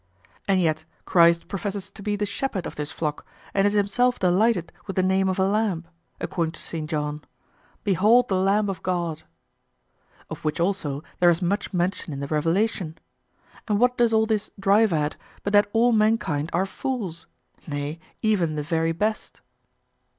And yet Christ professes to be the shepherd of this flock and is himself delighted with the name of a lamb; according to Saint John, "Behold the Lamb of God!" Of which also there is much mention in the Revelation. And what does all this drive at, but that all mankind are fools nay, even the very best?